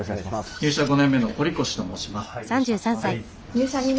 入社５年目の堀越と申します。